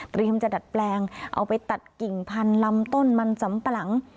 เตรียมจัดดัดแปลงเอาไปตัดกิ่งพันธุ์ลำต้นมันซ้ำประหลัง